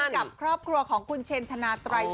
กับครอบครัวของคุณเชนธนาไตร